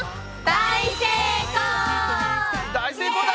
大成功だ！